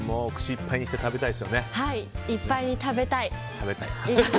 いっぱい食べたい。